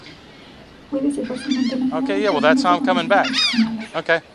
Puede ser parcialmente nómada, desplazándose con las lluvias estacionales.